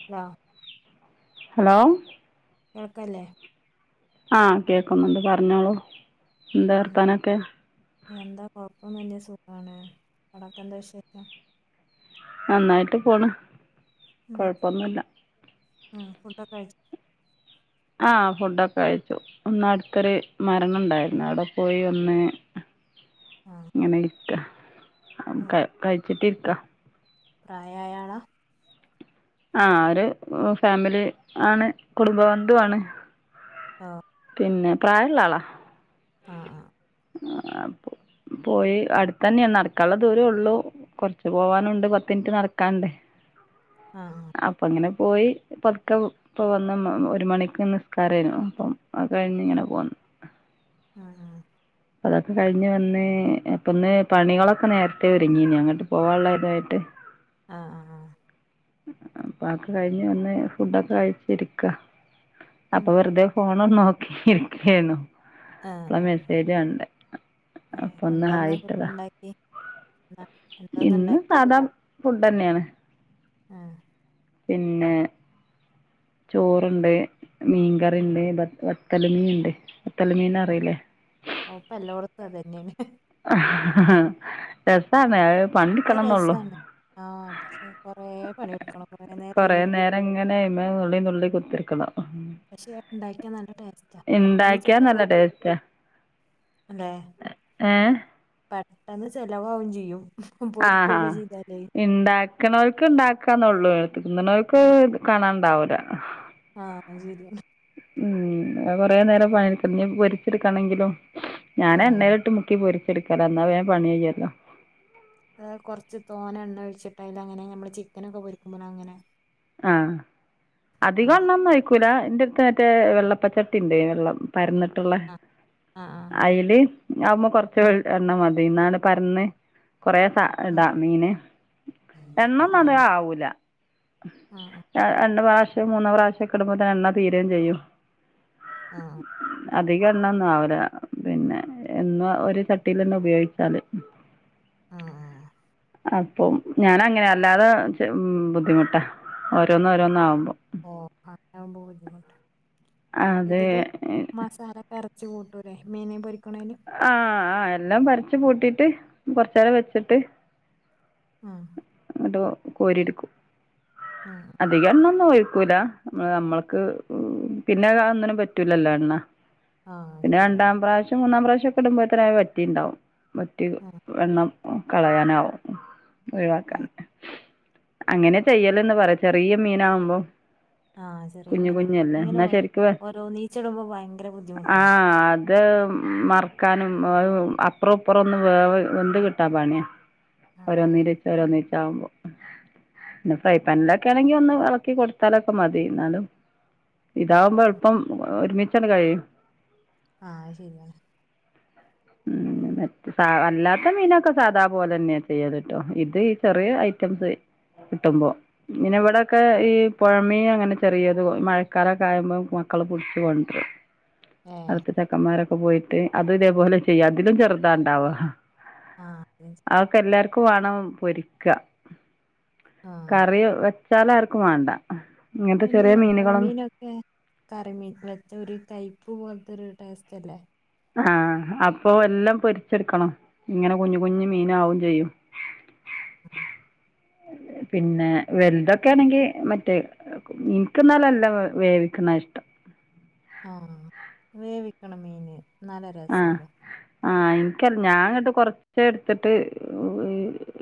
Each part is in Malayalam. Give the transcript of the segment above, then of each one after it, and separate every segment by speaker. Speaker 1: [unintelligible]
Speaker 2: ഹലോ
Speaker 1: കേൾക്കാല്ലേ?
Speaker 2: ആഹ് കേക്കുന്നുണ്ട്. പറഞ്ഞോളൂ,
Speaker 1: ഉം
Speaker 2: എന്താ വർത്താനൊക്കെ?
Speaker 1: എന്താ കൊഴപ്പൊന്നുല്ല്യ, സുഖാണ്. അവ്ടെക്കെന്താ വിശേഷം?
Speaker 2: നന്നായിട്ട് പോണ്.
Speaker 1: ഉം
Speaker 2: കൊഴപ്പൊന്നുല്ല
Speaker 1: [unintelligible] ഫുഡൊക്കെ കഴി [unintelligible]
Speaker 2: ആഹ് ഫുഡൊക്കെ കഴിച്ചു. ഒന്ന് അടുത്തൊരു മരണം ഉണ്ടായിരുന്നു അവ്ടെ പോയി വന്ന്
Speaker 1: ആഹ്
Speaker 2: ഇങ്ങനെ ഇര്ക്കാ. അം കഴിച്ചിട്ട് ഇര്ക്കാ.
Speaker 1: പ്രായായാളാ?
Speaker 2: ആഹ് ഒരു ഫാമിലി ആണ് കുടുംബബന്ധു ആണ്.
Speaker 1: ആഹ്
Speaker 2: പിന്നെ പ്രായള്ളാളാ.
Speaker 1: ആഹ് ആഹ്
Speaker 2: ആപ്പോ പോയി അടുത്തന്നെയാ നടക്കാൻള്ള ദൂരൊള്ളു. കൊർച്ചു പോവാനുണ്ട് പത്തിൻറ്റ് നടക്കാണ്ട്.
Speaker 1: ആഹ് ആഹ്
Speaker 2: അപ്പങ്ങനെ പോയി പതുക്കവു ഇപ്പൊ വന്ന് മ ഒരു മണിക്ക് നിസ്കാരേനു അപ്പം അത് കഴിഞ്ഞ് ഇങ്ങനെ പോന്ന്.
Speaker 1: ആഹ് ആഹ്
Speaker 2: അപ്പതൊക്കെ കഴിഞ്ഞ് വന്ന് അപ്പ ന്ന് പണികളൊക്കെ നേരത്തെ ഒരുങ്ങീനി അങ്ങട്ട് പോവാള്ളതായിട്ട്.
Speaker 1: ആഹ് ആഹ്
Speaker 2: അപ്പ അതൊക്കെ കഴിഞ്ഞ് വന്ന് ഫുഡൊക്കെ കഴിച്ചിരിക്കാ
Speaker 1: ഉം
Speaker 2: അപ്പൊ വെറുതെ ഫോണും നോക്കി ഇരിക്കേന്നു.
Speaker 1: ആ
Speaker 2: അപ്പളാ
Speaker 1: ആ
Speaker 2: മെസ്സേജ് കണ്ടേ.
Speaker 1: ഏ
Speaker 2: അപ്പൊ ഒന്ന്
Speaker 1: എന്താന്ന്
Speaker 2: ഹായ്
Speaker 1: ഫുഡ്
Speaker 2: ഇട്ടതാ.
Speaker 1: ഉണ്ടാക്കി എന്താ എന്താന്ന്
Speaker 2: ഇന്ന്
Speaker 1: ഉണ്ടാക്കി
Speaker 2: സാധാ ഫുഡ്ഡെന്നേണ്.
Speaker 1: ആഹ്
Speaker 2: പിന്നെ ചോറ്ണ്ട്, മീൻകറിണ്ട്, ബത് വത്തൽ മീൻ ണ്ട്. വത്തൽമീനറീലേ?
Speaker 1: ഓപ്പെല്ലോടത്തും അതെന്നേണ്.
Speaker 2: രസാണ്, പണിട്ക്കണംന്നൊള്ളു.
Speaker 1: ആഹ് പക്ഷെ കൊറേ പണിട്ക്കണം.
Speaker 2: കൊറെേ നേരങ്ങനെ അയ്മെ നുള്ളി നുള്ളി കുത്തർക്കണം.
Speaker 1: പക്ഷെ ഇണ്ടാക്ക്യാ നല്ല ടേസ്റ്റാ, പെട്ടെന്ന് ചെലവാകും.
Speaker 2: ടേസ്റ്റാ എ ഏഹ്
Speaker 1: പെട്ടെന്ന് ചെലവാകും ചെയ്യും,
Speaker 2: ആഹ് ആഹ്
Speaker 1: പൊരിക്കൊക്കെ ചെയ്താലേ.
Speaker 2: ഇണ്ടാക്ക്ണോൽക്ക് ഇണ്ടാക്കാന്നൊള്ളൂ. തിന്ന്ണോൽക്ക് കാണാണ്ടാവൂല.
Speaker 1: ആഹ് അങ്ങനെ ശര്യാണ്.
Speaker 2: ഉം അത് കൊറേ നേരം പണിട്ക്കണം ഇഞ്ഞ് പൊരിച്ച്ട്ക്കണെങ്കിലും.
Speaker 1: ആ
Speaker 2: ഞാനെണ്ണേല്ട്ട് മു ക്കി പൊരിച്ചെടുക്കലാ ന്നാ വേം പണ്യയ്യല്ലൊ.
Speaker 1: ഏഹ് കൊർച്ച് തോനെ എണ്ണ ഒഴിച്ചിട്ട്, അയിലങ്ങനെ നമ്മള് ചിക്കനൊക്കെ പൊരിക്കുമ്പോലങ്ങനെ
Speaker 2: ആഹ് അധികെണ്ണൊന്നും ഒഴി ക്കുലാ, ഇന്റെട്ത്ത് മറ്റേ വെള്ളപ്പച്ചട്ടിണ്ട് വെള്ളം പരന്ന് ട്ട്ള്ളെ
Speaker 1: ആ ആ ആ
Speaker 2: അയ്ല് ആവുമ്പോ കൊർച്ച് എണ്ണമതി. ഇന്നാണ് പര്ന്ന് കൊറേ സ ഇടാ മീന്.
Speaker 1: ആ ആ
Speaker 2: എണ്ണന്നൊധികം ആവൂല.
Speaker 1: ആ
Speaker 2: ര രണ്ട് പ്രാവശ്യം മൂന്ന് പ്രാവശ്യക്കെ ഇടുമ്പോത്തിന് എണ്ണ തീരേം ചെയ്യും.
Speaker 1: ആഹ്
Speaker 2: അധിക എണ്ണൊന്നും ആവൂല. പിന്നെ എന്നും ഒരു ചട്ടീലെന്നെ ഉപയോഗിച്ചാല്.
Speaker 1: ആഹ് ആഹ്
Speaker 2: അപ്പം ഞാനങ്ങനെ അല്ലാതെ ച്ച് ഉം ബുദ്ധിമുട്ടാ, ഓരോന്ന് ഓരോന്നാവുമ്പൊ
Speaker 1: ഓഹ് അങ്ങനാവുമ്പൊ ബുദ്ധിമുട്ടാ.
Speaker 2: അത്
Speaker 1: ഇതിലും മസാലക്കെർ ച്ച് കൂട്ടൂലേ മീനേം പൊരിക്ക്ണേല്?
Speaker 2: ആഹ് ആഹ് എല്ലം പരച്ച് കൂട്ടീട്ട്, കോർച്ചേരം വെച്ച്ട്ട്
Speaker 1: ആഹ്
Speaker 2: ന്ന്ട്ടൊ കോരിട്ക്കും.
Speaker 1: ആഹ്
Speaker 2: അധികെണ്ണൊന്നും ഒയ്‌ക്കൂല. മേ നമ്മൾക്ക് പിന്നെ അത് ഒന്നിനും പറ്റൂലല്ലൊ എണ്ണ
Speaker 1: ആ
Speaker 2: പിന്നെ
Speaker 1: ശരിയാണ്
Speaker 2: രണ്ടാം പ്രാശ്യം മൂന്നാം പ്രാശ്യൊക്കെ ഇടുമ്പോത്തിന് അത് വറ്റീണ്ടാവും. വറ്റി
Speaker 1: ആ
Speaker 2: എണ്ണം കളയാനാവും
Speaker 1: ആ
Speaker 2: ഒഴിവാക്കാന്. അങ്ങനെ ചെയ്യല്ന്ന് പറ ചെറിയ്യ മീനാവുമ്പം
Speaker 1: ആഹ് ചെറിയ മീനാവുമ്പൊ. ഇങ്ങനെ ഓരോ
Speaker 2: ശരിക്ക്
Speaker 1: ഓരോന്നീച്ചെടുമ്പൊ ഭയങ്കര ബുദ്ധിമുട്ടാ
Speaker 2: ത് മർക്കാനും [unintelligible] അപ്പുറപ്പുറൊന്ന് വേവ് വെന്ത് കിട്ടാൻ പണ്യാ.
Speaker 1: ആ
Speaker 2: ഒരോന്നീലിച്ച് ഒരോന്നീച്ചാവുമ്പൊ. പിന്നെ ഫ്രൈ പാനിലെ ക്കേണെങ്കി ഒന്ന് എളക്കി കൊടുത്താലൊക്കെ മതി ന്നാലും, ഇതാവുമ്പം
Speaker 1: ഉം
Speaker 2: എൾപ്പം ഒരുമി ച്ചണ് കഴിയും.
Speaker 1: ആഹ് അയ് ശെരിയാണ്.
Speaker 2: ഉം
Speaker 1: ഉം
Speaker 2: സാ അല്ലാത്ത മീനൊക്കെ സാധാ പോലെന്നെ ചെയ്യല്ട്ടോ. ഇത് ഈ ചെറ്യേ ഐറ്റംസ് കിട്ടുമ്പോ ഇനി ഇവടൊക്കെ ഈ പൊഴമീൻ അങ്ങനെ ചെറിയത് മഴക്കാലൊക്കെ ആയുമ്പ മക്കള് പുട്ച്ച്കൊണ്ട്രും
Speaker 1: ഏ
Speaker 2: അടുത്ത ച്ചെക്കന്മാരൊക്കെ പോയിട്ട് അതും ഇതേപോലെ ചെയ്യും അതിലും ചെറുതാണ്ടാവ
Speaker 1: ആഹ് [inaudible]
Speaker 2: അതൊക്കെ എല്ലാർക്കുവാണം പൊരിക്ക
Speaker 1: ആഹ്
Speaker 2: കറിവെ ചാല് ആർക്കും വാണ്ട
Speaker 1: അയ്ന് പൊഴമീനൊക്കെ കറിമീൻ വെച്ച ഒരു കൈപ്പൂ പോൽതൊരു ടേസ്റ്റ് അല്ലേ
Speaker 2: ആഹ് അപ്പൊ എല്ലം പൊരിച്ചെട്ക്കണം ഇങ്ങനെ കുഞ്ഞി കുഞ്ഞി മീനാവും ചെയ്യും
Speaker 1: ആഹ്
Speaker 2: പിന്നെ വലൽതൊക്കെണെങ്കി മറ്റേ നഇൻക്ക്ന്നാല് നല്ലം വേവിക്കുന്ന ഇഷ്ടം
Speaker 1: ആഹ് വേവിക്കണം മീന് ന്നാലെ രസൊള്ളു
Speaker 2: ആഹ് ഇന്ക്ന ഞാൻങ്ങട്ട് കൊർച്ച്ട്ത്ത്ട്ട്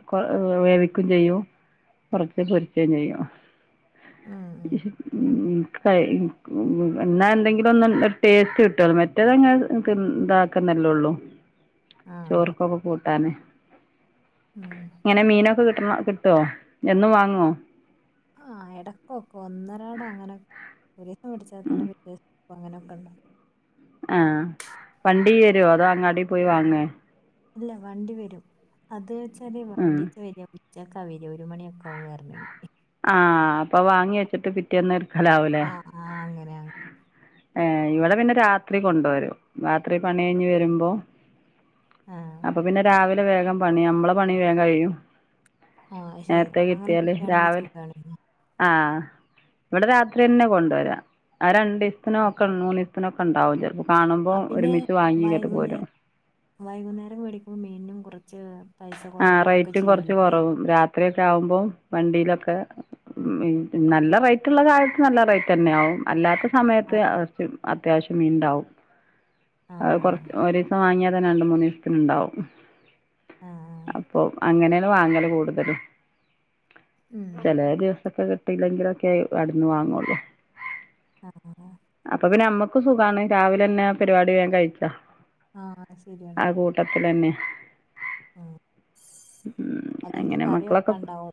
Speaker 2: കൊ വേവിക്കയും ചെയ്യും കുറച്ച് പൊരിച്ചയും ചെയ്യും
Speaker 1: ഉം ഉം
Speaker 2: ഉം എന്നാ എന്തെങ്കിലും ഒന്നും ടേസ്റ്റ് കിട്ടുവോ മറ്റേത്ങ്ങ ഇതാക്കുന്നല്ലള്ളു
Speaker 1: ആഹ്
Speaker 2: ചോർക്കൊക്കെ കൂട്ടാന്
Speaker 1: ഉം
Speaker 2: ഇങ്ങനെ മീനൊക്കെ കിട്ടണം കിട്ടുമോ എന്നും വാങ്ങുവോ
Speaker 1: ആഹ് ഇടക്കൊക്കെ ഒന്നരാടോ അങ്ങനെ ടൂീസം പിടിച്ചാൽ തന്നെ അങ്ങനെയൊക്കെ ഉണ്ടാവകും
Speaker 2: ആഹ് വണ്ടി വരുവോ അതോ അങ്ങാടി പോയി വാങ്ങുവോ
Speaker 1: അല്ല വണ്ടി വരും അത് വെച്ചാല്
Speaker 2: ആ
Speaker 1: വണ്ടി വരി ഉച്ചക്കാവര്യ ഒരു മണിയൊക്കാവും വരണെങ്കിൽ
Speaker 2: ആഹ് അപ്പൊ വാങ്ങി വെച്ചിട്ട് പിറ്റേന്ന് എടുക്കലവുല്ലേ
Speaker 1: ആഹ് ആഹ് അങ്ങനെ
Speaker 2: ഏഹ് ഇവിടെ പിന്നെ രാത്രി കൊണ്ടുവരും രാത്രി പണി കഴിഞ്ഞ് വരുമ്പോ
Speaker 1: ആഹ്
Speaker 2: അപ്പൊ പിന്നെ രാവിലെ വേഗം പണി നമ്മളെ പണി വേഗം കഴിയും
Speaker 1: ആഹ് ശരിയ
Speaker 2: നേരത്തെ
Speaker 1: അങ്ങനെ
Speaker 2: കിട്ടിയാല്
Speaker 1: കിട്ടുവാണെങ്കിൽ
Speaker 2: രാവിലെ
Speaker 1: സുഗാണ്
Speaker 2: ആഹ് ഇവിടെ രാത്രി തന്നെ കൊണ്ടുവരാം രണ്ടു ദിവസത്തിനോ നോക്കാനൊ അതിനൊക്കോണ്ടാവും ചിലപ്പോ കാണുമ്പോ
Speaker 1: ആഹ് പിന്നെ
Speaker 2: ഒരുമിച്ച് വാങ്ങിയിട്ട്
Speaker 1: വൈകുന്നേരം
Speaker 2: പോരും
Speaker 1: വൈകുന്നേരം മേടികുമ്പോ മീനിന്നും കുറച്ച് പൈസ കുറയയും ഒക്കെ ചെയ്യുവല്ലോ അല്ലേ
Speaker 2: അത്രയൊക്കെ ആകുമ്പോ വണ്ടിയിലൊക്കെ നല്ല റേറ്റുള്ള കാലത്ത് നല്ല റേറ്റ് തന്നെയാവും അല്ലാത്ത
Speaker 1: ആ
Speaker 2: സമയത്ത് അ അത്യാവശ്യം മീനുണ്ടാവും
Speaker 1: ആ
Speaker 2: അത് കുറച്ച് ഒരു ദിവസം വാങ്ങിയാതന്നെ രണ്ട് മൂന്ന് ദിവസത്തിനുണ്ടാവും
Speaker 1: ആഹ് ആഹ്
Speaker 2: അപ്പൊ അങ്ങനെയാണ് വാങ്ങല് കൂടുതലും
Speaker 1: ഉം
Speaker 2: അല്ലേ ദിവസൊക്കെ കിട്ടിയില്ലെങ്കിലൊക്കെ അടുന്ന് വാങ്ങൂള്ളൂ
Speaker 1: ആഹ്
Speaker 2: അപ്പൊ പിന്നെ നമ്മക്ക് സുഖണ് രാവിലെ തന്നെ പരിപാടി വേഗം കഴിച്ച
Speaker 1: ആഹ് ശരിയാണ്
Speaker 2: പട്ടത്തി തന്നെ ഉം
Speaker 1: അല്ലെങ്കി
Speaker 2: അങ്ങനെ മക്കളൊക്കെ
Speaker 1: കറിവെക്കാനുണ്ടാവോ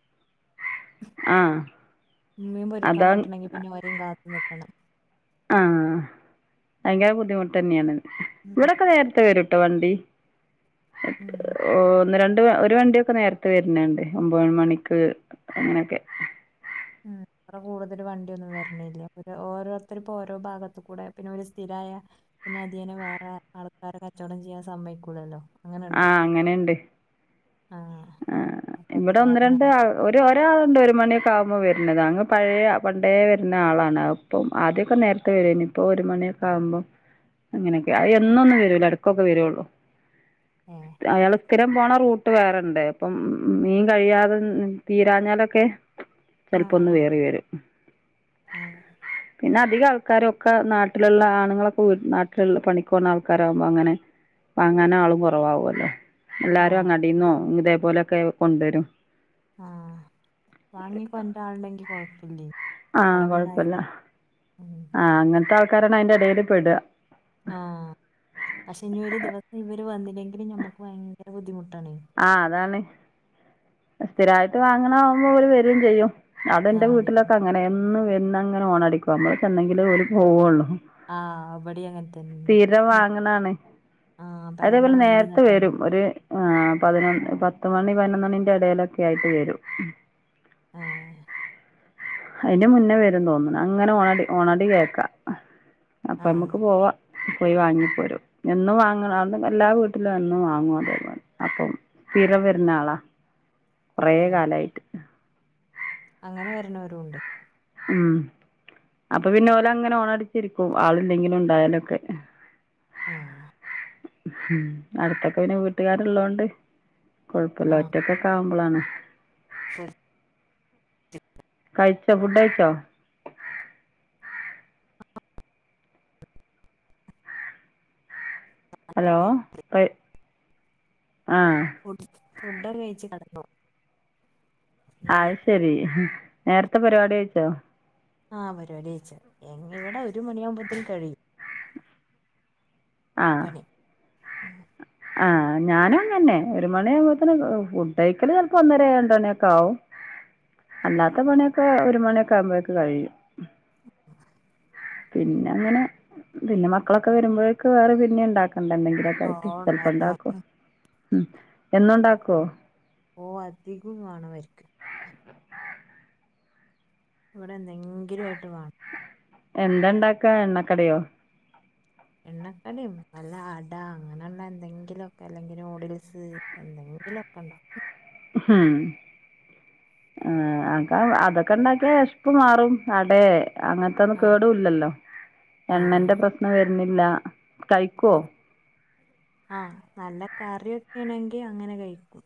Speaker 2: ആഹ്
Speaker 1: മീൻ പൊരിക്കാൻ
Speaker 2: അതാ
Speaker 1: കിട്ടണവെങ്കിൽ പിന്നെ അ വരെയും കാത്തു നിക്കണം
Speaker 2: ആഹ് ഭയങ്കര ബുദ്ധിമുട്ടന്നേണ്
Speaker 1: ഉം
Speaker 2: ഇവിടോ ക്കെ നേരത്തെ വരുട്ടോ വണ്ടി
Speaker 1: ഉം
Speaker 2: ഒന്ന് രണ്ട് ട്ട് ഒരു വണ്ടിയൊക്കെ നേരത്തെ വര്ന്ണ്ട് ഒമ്പത് മണിക്ക് അങ്ങനൊക്കെ
Speaker 1: ഉം ഇവിടെ കൂടുതലു വണ്ടിയൊന്നും വര്ണില്ല ഓരോരുത്തർ ഇപ്പോ ഓരോ ഭാഗത്തു കൂടെ പിന്നെ ഒരു സ്ഥിരായ പിന്നെ അതിയേനെ വേറെ ആൾക്കാരെ കച്ചോടം ചെയ്യാൻ സമ്മയ്ക്കൂലല്ലോ
Speaker 2: ആഹ് അങ്ങനെണ്ട്
Speaker 1: ആ
Speaker 2: ആഹ്
Speaker 1: അപ്പൊ അത്
Speaker 2: ഇവിടെ ഒന്ന് രണ്ട്
Speaker 1: കാരണം
Speaker 2: ആവു ഒരു ഒരാളുണ്ട് ഒരു മണിയൊക്കെ ആകുമ്പോൾ വരുന്നത് അങ്ങ് പഴേ പണ്ടേ വരുന്ന ആളാണ് ഇപ്പം ആദ്യമൊക്കെ നേരത്തെ വരുവാരുന്ന് ഇപ്പോൾ ഒരു മണിയൊക്കെയാവുമ്പോ
Speaker 1: [inaudible]
Speaker 2: അങ്ങനൊക്കെ ആയി
Speaker 1: ഉം.
Speaker 2: എന്നന്നും വരുല്ല എടക്കൊക്കെ വരുള്ളൂ
Speaker 1: ആഹ്
Speaker 2: അയാള് സ്ഥിരം പോണ റൂട്ട് വേറെണ്ട് അപ്പം മീൻ കഴിയാതെ തീരാഞ്ഞാലൊക്കെ ചെലപ്പോ ഒന്ന്
Speaker 1: ആഹ്
Speaker 2: കേറി വരും
Speaker 1: ആഹ്
Speaker 2: പിന്നെ അധികാൾക്കാരു ഒക്കെ നാട്ടിലുള്ള ആണുങ്ങളൊക്കെ വീ നാട്ടിലുള്ള പണികുപോണ ആൾക്കാരാകുമ്പോ അങ്ങനെ വാങ്ങാനുആളു കൊറവാവല്ലോ
Speaker 1: ആ
Speaker 2: എല്ലാരും അങ്ങാടിന്നോ
Speaker 1: ശരി
Speaker 2: ഇതേ പോലൊക്കെ കൊണ്ടരും
Speaker 1: ആഹ് വാങ്ങിക്കൊണ്ടരാൻ ആള്ണ്ടെങ്കിൽ കൊഴപ്പില്ലേ
Speaker 2: ആഹ്
Speaker 1: ഇവിടെ പിന്നെ
Speaker 2: കൊഴപ്പില്ല
Speaker 1: അയില് ഉം
Speaker 2: ആഹ് അങ്ങനത്തെ ആൾക്കാരാണ് അതിന്റെ എടെല് പെടാ
Speaker 1: ആഹ് പക്ഷെ ഇനി ഒരു ദിവസം ഇവര് വന്നില്ലെങ്കില് നമ്മുക്ക് ഭയങ്കര ബുദ്ധിമുട്ടാണേ
Speaker 2: ആഹ് അതാണ് സ്ഥിരായിട്ട് വാങ്ങണ ആവുമ്പോ അവര് വരേം ചെയ്യും അതെന്റെ
Speaker 1: ആഹ് വരും
Speaker 2: വ്ട്ടിലൊക്കെ അങ്ങനെ എന്നും വന്ന്ങ്ങനെ ഹോണടിക്കും നമ്മള് ചെന്നെങ്കിലേ ഓല് പോവുള്ളൂ
Speaker 1: ആഹ് ഇവടേം അങ്ങനെ തന്നെ
Speaker 2: [unintelligible]
Speaker 1: ആഹ് പേരെന്റെ
Speaker 2: അതേപോലെ നേരത്തെ
Speaker 1: മുന്നില്ന്ന്ട്ട്
Speaker 2: വരും
Speaker 1: ഹോണടി
Speaker 2: ഒരു ആഹ് പതിനൊന്ന് പത്ത് മണി പതിനൊന്ന് മണിന്റെ എടെലൊക്കായിട്ട് വരും
Speaker 1: ആഹ്
Speaker 2: അയ്ന്റെ മുന്നേ വരുന്ന് തോന്ന്ണ് അങ്ങനെ ഹോണടി ഹോണടി കേക്കാം
Speaker 1: ആഹ്
Speaker 2: അപ്പമ്മുക്ക് പോവാം പോയി വാങ്ങിപ്പോരും എന്നും വാങ്ങ്ണ എല്ലാ വീട്ടിലും എന്നും വാങ്ങും അതേ പോലെ അപ്പം സ്ഥിരം വര്ണ ആളാ കൊറേ
Speaker 1: ഏഹ്
Speaker 2: കാലായിട്ട്
Speaker 1: അങ്ങനെ വരുന്നോരുണ്ടെ
Speaker 2: ഉം അപ്പൊ പിന്നെ ഓലങ്ങനെ ഹോണടിച്ചിരിക്കും ആള്ല്ലെങ്കിലും ഇണ്ടായാലൊക്കെ
Speaker 1: ആഹ്
Speaker 2: ഉം അടുത്തൊക്കെ പിന്നെ വീട്ടുകാര്ള്ളോണ്ട് കൊഴപ്പല്ല
Speaker 1: ആഹ്
Speaker 2: ഒറ്റക്ക് ട്ടാവുമ്പളാണ്
Speaker 1: [inaudible]
Speaker 2: കയിച്ചോ ഫുഡ് കയിച്ചോ ഹലോ കയ് ആഹ്
Speaker 1: ഫുട്‌സ് ഫുടൊക്കെ കയിച്ച് കെടന്നോ
Speaker 2: അയ് ശരി നേരത്തെ പരിപാടി കയിച്ചോ
Speaker 1: ആഹ് പരുവാടി കഴിച്ച് ഇങ്ങ ഇവടെ ഒരു മണിയാവുമ്പത്തേനും കഴിയും
Speaker 2: ആഹ്.
Speaker 1: പണി
Speaker 2: ആഹ് ഞാനും അങ്ങന്നെ ഒരു മണി ആകുമ്പോത്തിന് ഫുഡ് കഴിക്കല് ചെലപ്പോ ഒന്നര രണ്ട് മണിയൊക്കെ ആവും അല്ലാത്ത പണിയൊക്കെ ഒരു മണിയൊക്കെ ആകുമ്പോഴേക്ക് കഴിയും പിന്നങ്ങനെ പിന്നെ മക്കളൊക്കെ വരുമ്പോഴേക്ക് വേറെ പിന്നെണ്ടാക്കണ്ടെന്തെങ്കിലും തൊക്കായിട്ട്
Speaker 1: ഓഹ് ഉണ്ടാക്കണം
Speaker 2: ചെൽപ്പണ്ടാക്കും ഉം എന്നുണ്ടാക്കോ
Speaker 1: ഓഹ് അധികുംവാണംവര്ക്ക് ഇവടെ എന്തെങ്കിലായിട്ട് വാണം
Speaker 2: എന്താണ്ടാക്കാ എണ്ണക്കടിയോ
Speaker 1: എണ്ണക്കടിം നല്ല അട അങ്ങനള്ള എന്തെങ്കിലൊക്കെ അല്ലെങ്കി നൂഡിൽസ് എന്തെങ്കിലൊക്കെണ്ടാക്കും
Speaker 2: ഉം ആഹ് [unintelligible] അതൊക്കെണ്ടാക്ക്യാ വെശ്പ്പ്മാറും അടേ അങ്ങൻത്തൊന്നും
Speaker 1: ആ
Speaker 2: കേടൂല്ലല്ലോ
Speaker 1: ആ
Speaker 2: എണ്ണന്റെ പ്രശ്നം വരുന്നില്ല കഴിക്കോ
Speaker 1: ആഹ് നല്ല കറിയൊക്കേണെങ്കി അങ്ങനെ കഴിക്കും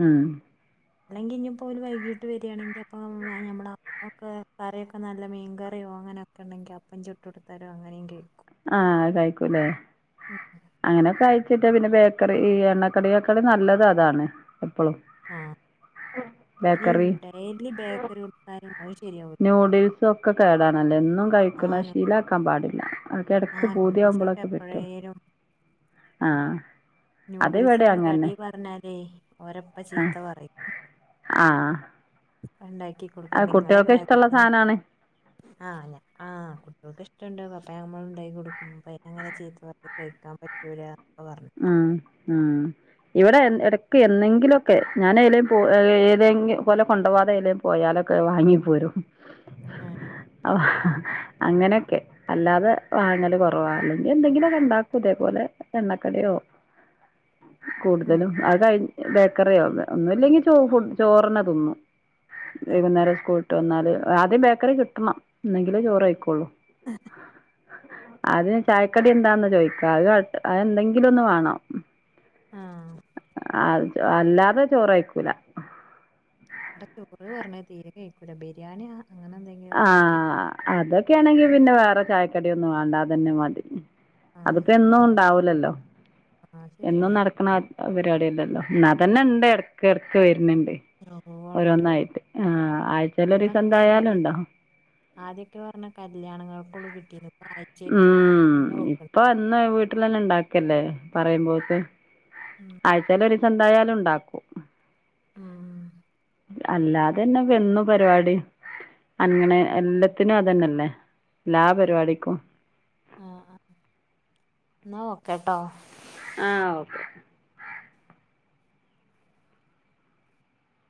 Speaker 2: ഉം
Speaker 1: അല്ലെങ്കി ഇഞ്ഞിപ്പോല് വൈകീട്ട് വരാണെങ്കി അപ്പ [unintelligible] ഞമ്മള ഒക്കെ കറിയൊക്കെ നല്ല മീൻകറിയോ അങ്ങനൊക്കെണ്ടെങ്കി അപ്പം ചുട്ട് കൊടുത്തരോ അങ്ങനേം കയ്ക്കും
Speaker 2: ആഹ് അത്‌ കഴിക്കൂലേ അങ്ങനൊക്കെ കയ്ച്ച് കിട്ട്യാ പിന്നെ ബേക്കറി ഈ എണ്ണക്കടിയേകാളും നല്ലതതാണ്
Speaker 1: ആഹ് പിന്നെ ഈ
Speaker 2: ബേക്കറി
Speaker 1: ഡെയിലി ബേക്കറി കൊടുത്താലും അത് ശരിയാവു
Speaker 2: നൂഡിൽസും ഒക്കെ കേടാനല്ലോ എന്നും
Speaker 1: ആ
Speaker 2: കഴിക്ക്ണത്
Speaker 1: നൂഡിൽസ്
Speaker 2: ശീലാക്കാൻ പാടില്ല
Speaker 1: ആ
Speaker 2: ക്കെടക്ക്
Speaker 1: നൂഡിൽസ് ഒക്കെ
Speaker 2: പൂത്യാവുമ്പോളൊക്കെ പറ്റും
Speaker 1: എപ്പോഴേലും
Speaker 2: ആഹ് അത്
Speaker 1: ന്യൂഡിൽസ്
Speaker 2: ഇവിടേം
Speaker 1: ആണ്
Speaker 2: അങ്ങനെ
Speaker 1: കടി പറഞ്ഞാലേ ഓരപ്പ
Speaker 2: ആഹ്
Speaker 1: ചീത്ത പറയും.
Speaker 2: ആഹ്
Speaker 1: അത്‌ണ്ടാക്കികൊടുക്കാ
Speaker 2: അത്
Speaker 1: നിങ്ങള
Speaker 2: കുട്ടികൾക്ക് ഇഷ്ടമുള്ള
Speaker 1: വേഗത്തിനാ
Speaker 2: സാധനാണ്
Speaker 1: ആഹ് ഞ ആഹ് കുട്ടിൾക്ക് ഇഷ്ടുണ്ട് അപ്പ നമ്മ ഉണ്ടാക്കി കൊടുക്കും അങ്ങനെ ചീത്ത പറയും കയിക്കാൻ പറ്റൂല പറഞ്ഞു
Speaker 2: ഉം ഉം ഇവിടെ എന്ന് എടയ്ക്ക് എന്നെങ്കിലൊക്കെ ഞാനയ്ലും പോ ഏതെങ്കി ഓലെ കൊണ്ടോകാതെ ഏയ്ലേ പോയാലൊക്കെ വാങ്ങി പോരും.
Speaker 1: ആഹ്
Speaker 2: ആ അങ്ങനെക്കെ അല്ലാതെ വാങ്ങല് കൊറവാ അല്ലെങ്കി എന്തെങ്കിലൊക്കെണ്ടാക്കും ഇതേപോലെ എണ്ണ ക്കടിയോ കൂടുതലും
Speaker 1: ഉം.
Speaker 2: അത് കഴി ബേക്കറിയോ ഒന്നും ഇല്ലെങ്കി ഫു ചോറന്നെ തിന്നും
Speaker 1: ആ
Speaker 2: വൈകുന്നേരം സ്കൂൾ വിട്ട് വന്നാല് ആദ്യം ബേക്കറി കിട്ടണം എന്നെങ്കിലേ ചോറയ്ക്കൊള്ളൂ. അദ്യം ചായക്കടി എന്താന്ന് ചോയ്ക്കാ അത് അത് എന്തെങ്കിലും ഒന്ന് വാണം.
Speaker 1: ആഹ്
Speaker 2: അല്ലാതെ ചോറയിക്കൂല.
Speaker 1: വടെ ചോറ് പറഞ്ഞത് തീരെ കഴിക്കൂല ബിരിയാണി അങ്ങനെ എന്തെ
Speaker 2: ആഹ് അതൊക്കെയാണെങ്കി പിന്നെ വേറെ ചായക്കടിയൊന്നും വാണ്ട അതന്നെ മതി.
Speaker 1: ആ
Speaker 2: അത്പ്പോ എന്നുണ്ടാവൂലല്ലോ
Speaker 1: ആ
Speaker 2: എന്നും
Speaker 1: ശരിയാണ്
Speaker 2: നടക്ക ക്ക്ണ പരിപാടി അല്ലല്ലോ ന്നാതന്നെണ്ട് എടക്ക് എടക്ക് വരുന്നുണ്ട്.
Speaker 1: ഓ ഉണ്ട്
Speaker 2: ഓരോന്നായിട്ട് ആ ആഴ്ചേലൊരീസം എന്തായാലുംണ്ടോ
Speaker 1: ആദ്യൊക്കെ പറഞ്ഞ കല്യാണങ്ങൾക്കളു കിട്ടിരുന്നു ഇപ്പൊ ആ
Speaker 2: ഉം ഇപ്പൊ അന്ന് വീട്ടിൽന്നെ ഇണ്ടാക്കല്ലേ പറയുമ്പോക്ക്
Speaker 1: ഉം.
Speaker 2: ആഴച്ചാല ഒരുസം എന്തായാലും ഉണ്ടാക്കും
Speaker 1: ഉം
Speaker 2: അല്ലാതെന്നെ വന്നു പരിപാടി അങ്ങനെ എല്ലാത്തിനും അതന്നെല്ലേ എല്ലാ പരിപാടിക്കും
Speaker 1: ആഹ് ആ എന്നാ ഓക്കെട്ടോ
Speaker 2: ആഹ് ഓക്കെ